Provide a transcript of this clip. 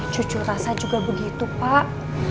cucu rasa juga begitu pak